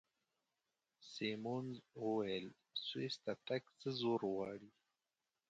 سیمونز وویل: سویس ته تګ څه زور غواړي؟